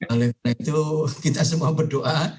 oleh karena itu kita semua berdoa